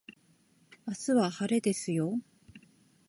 明日は晴れですよ